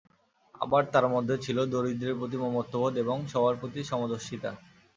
আবার তাঁর মধ্যে ছিল দরিদ্রের প্রতি মমত্ববোধ এবং সবার প্রতি সমদর্শিতা।